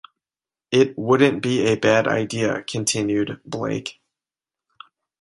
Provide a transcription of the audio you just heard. "It wouldn't be a bad idea," continued Blake.